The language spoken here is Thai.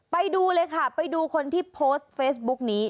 ไปดูเลยค่ะไปดูคนที่โพสต์เฟซบุ๊กนี้